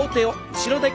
後ろです。